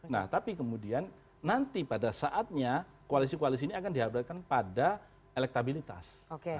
nah tapi kemudian nanti pada saatnya koalisi koalisi ini akan dihadapkan pada elektabilitas